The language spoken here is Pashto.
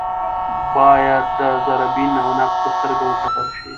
باید د ذره بین او نقد په سترګه وکتل شي